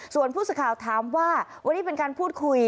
ส่วนผู้สื่อข่าวถามว่าวันนี้เป็นการพูดคุย